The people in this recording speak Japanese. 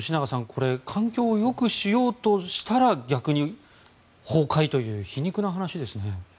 これ、環境をよくしようとしたら逆に崩壊という皮肉な話ですね。